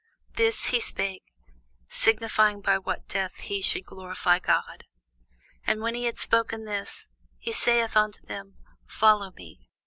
This spake he, signifying by what death he should glorify God. And when he had spoken this, he saith unto him, Follow me.